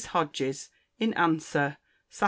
HODGES [IN ANSWER.] SAT.